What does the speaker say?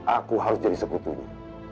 aku harus jadi sekutunya